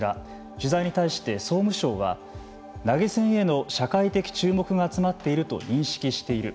取材に対して総務省は投げ銭への社会的注目が集まっていると認識している。